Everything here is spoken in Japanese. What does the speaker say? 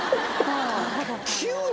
急に？